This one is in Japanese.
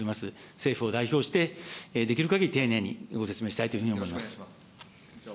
政府を代表して、できるかぎり丁寧にご説明したいというふうに考えております。